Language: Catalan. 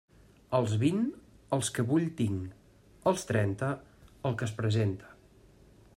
Als vint, els que vull tinc; als trenta, el que es presenta.